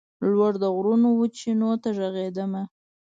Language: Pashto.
لوړ د غرونو وچېنو ته ږغېدمه